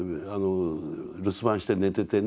「留守番して寝ててね。